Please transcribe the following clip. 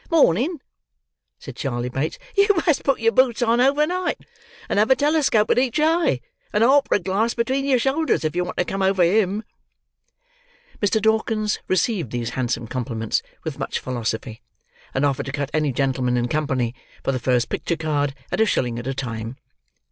"Morning!" said Charley Bates; "you must put your boots on over night, and have a telescope at each eye, and a opera glass between your shoulders, if you want to come over him." Mr. Dawkins received these handsome compliments with much philosophy, and offered to cut any gentleman in company, for the first picture card, at a shilling at a time.